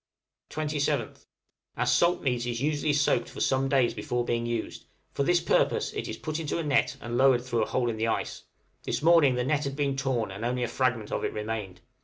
{DINNER STOLEN BY SHARKS.} 27th. Our salt meat is usually soaked for some days before being used; for this purpose it is put into a net, and lowered through a hole in the ice; this morning the net had been torn, and only a fragment of it remained.